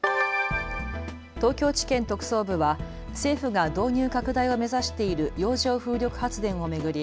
東京地検特捜部は政府が導入拡大を目指している洋上風力発電を巡り